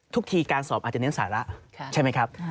ทุกทีการสอบอาจจะเน้นสาระใช่ไหมครับ